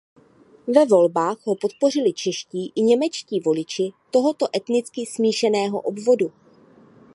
Ve volbách ho podpořili čeští i němečtí voliči tohoto etnicky smíšeného obvodu.